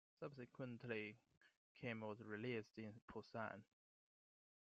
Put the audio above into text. Subsequently Kim was released in Busan.